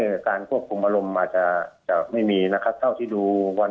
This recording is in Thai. การควบคุมอารมณ์อาจจะจะไม่มีนะครับเท่าที่ดูวัน